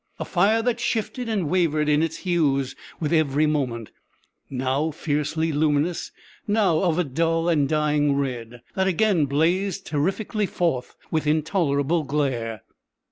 a fire that shifted and wavered in its hues with every moment, now fiercely luminous, now of a dull and dying red, that again blazed terrifically forth with intolerable glare!